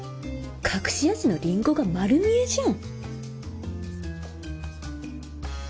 隠し味のリンゴが丸見えじゃん